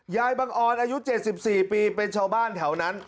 บังออนอายุ๗๔ปีเป็นชาวบ้านแถวนั้น